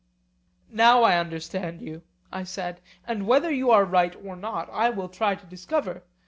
Now I understand you, I said; and whether you are right or not I will try to discover.